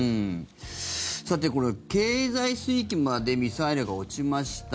さて、経済水域までミサイルが落ちました。